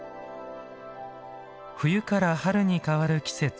冬から春に変わる季節